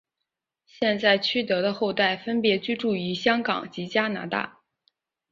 现在区德的后代分别居住于香港及加拿大。